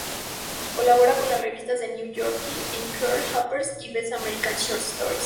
Colabora con las revistas "The New Yorker", "Esquire", "Harper's" y "Best American Short Stories".